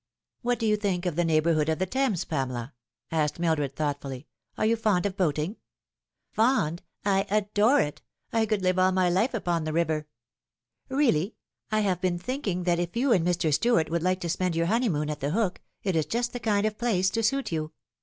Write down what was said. " What do you think of the neighbourhood of the Thames, Pamela ?" asked Mildred thoughtfully. " Are you fond of boating?" " Fond I I adore it. I could live all my life upon the river." " Really ! I have been thinking that if you and Mr. Stuart would like to spend your honeymoon at The Hook it is just the kind of place to suit you.